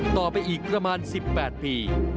ต่อไปอีกประมาณ๑๘ปี